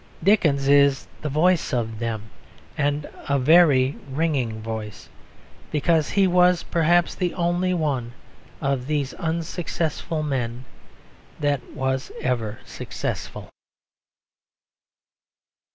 Dickens is the voice of them, and a very ringing voice; because he was perhaps the only one of these unsuccessful men that was ever successful.